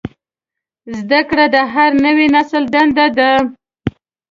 زدهکړه د هر نوي نسل دنده ده.